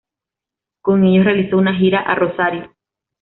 Con ellos realizó una gira a Rosario.